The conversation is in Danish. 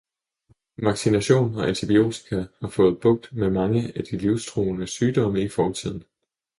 Vaccination og antibiotika har fået bugt med mange af de livstruende sygdomme i fortiden.